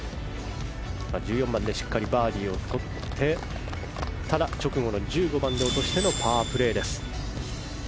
１４番でしっかりバーディーをとってただ、直後の１５番落としてのパープレー。